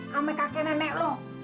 sama kakek nenek lu